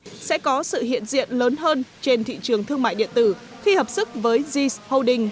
bri sẽ có sự hiện diện lớn hơn trên thị trường thương mại điện tử khi hợp sức với zee holding